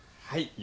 はい。